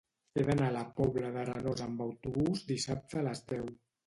He d'anar a la Pobla d'Arenós amb autobús dissabte a les deu.